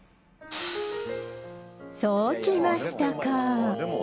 そうきましたか！